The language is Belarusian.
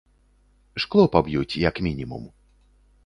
Шкло паб'юць, як мінімум.